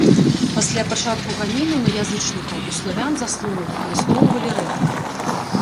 Пасля пачатку ганенняў на язычнікаў у славян заслону выкарыстоўвалі рэдка.